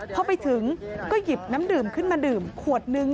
พอไปถึงก็หยิบน้ำดื่มขึ้นมาดื่มขวดนึง